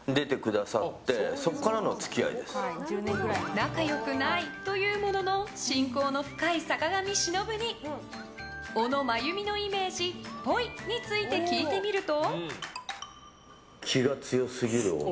仲良くないというものの親交の深い坂上忍に小野真弓のイメージっぽいについて聞いてみると。